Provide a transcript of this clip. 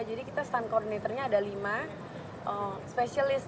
jadi kita stunt coordinatornya ada lima specialist